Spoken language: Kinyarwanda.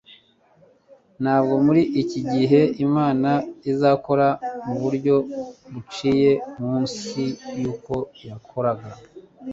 ntabwo muri iki gihe Imana izakora mu buryo buciye munsi yuko yakoraga